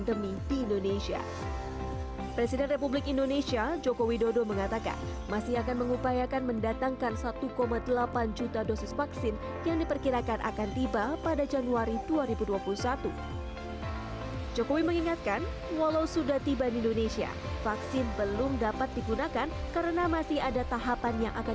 pemerintah memastikan vaksin yang akan diberikan aman